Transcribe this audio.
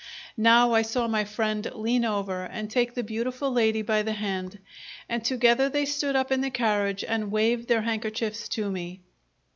Now I saw my friend lean over and take the beautiful lady by the hand, and together they stood up in the carriage and waved their handkerchiefs to me.